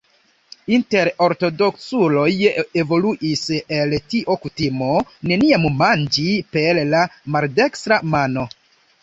Inter ortodoksuloj evoluis el tio kutimo neniam manĝi per la maldekstra mano.